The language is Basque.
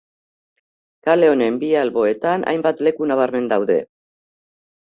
Kale honen bi alboetan hainbat leku nabarmen daude.